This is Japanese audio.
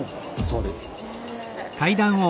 そうです。